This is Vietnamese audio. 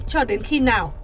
cho đến khi nào